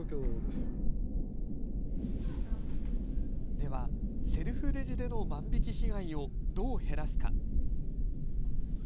ではセルフレジでの万引き被害をどう減らすか。